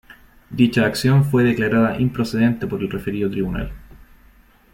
Dicha acción fue declarada improcedente por el referido Tribunal.